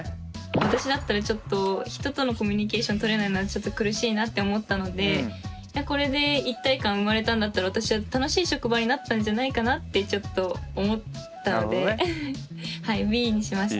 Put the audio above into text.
私だったらちょっと人とのコミュニケーションとれないのはちょっと苦しいなって思ったのでこれで一体感生まれたんだったら私は楽しい職場になったんじゃないかなってちょっと思ったのではいＢにしました。